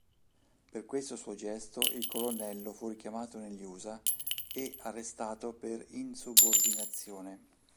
Per questo suo gesto il Colonnello fu richiamato negli Usa e arrestato per insubordinazione.